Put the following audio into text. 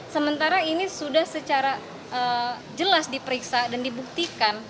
sementara ini sudah secara jelas diperiksa dan dibuktikan